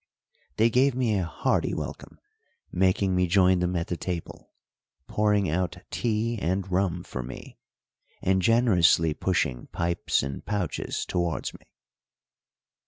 They gave me a hearty welcome, making me join them at the table, pouring out tea and rum for me, and generously pushing pipes and pouches towards me.